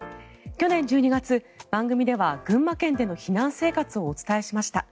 去年１２月、番組では群馬県での避難生活をお伝えしました。